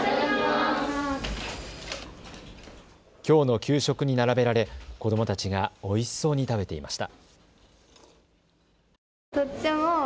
きょうの給食に並べられ子どもたちがおいしそうに食べていました。